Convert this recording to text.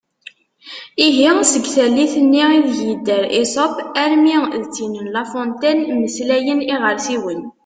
Ihi seg tallit-nni ideg yedder Esope armi d tin n La Fontaine “mmeslayen iɣersiwen”.